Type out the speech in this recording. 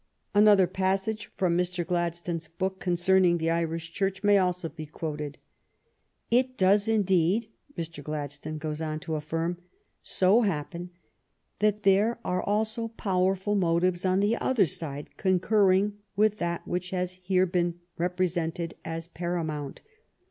Another passage from Mr. Gladstone's book concerning the Irish Church may also be quoted. " It does indeed," Mr. Gladstone goes on to affirm, "so happen that there are also powerful motives on the other side concurring with that which has here been represented as paramount.